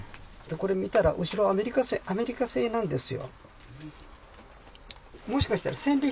これ見たら、後ろ、アメリカ製、アメリカ製なんですよ。